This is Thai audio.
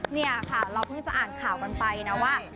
เนี่ยค่ะเราเพิ่งจะอ่านข่าวกันไปนะว่า